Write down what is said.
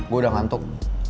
gue udah ngantuk